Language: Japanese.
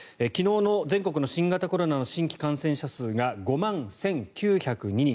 昨日の全国の新型コロナの新規感染者数が５万１９０２人。